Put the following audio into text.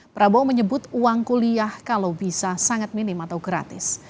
prabowo menyebut uang kuliah kalau bisa sangat minim atau gratis